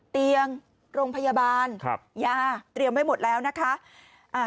เตียงโรงพยาบาลครับยาเตรียมไว้หมดแล้วนะคะอ่า